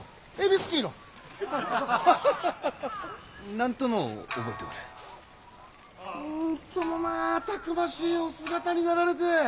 なんともまあたくましいお姿になられて！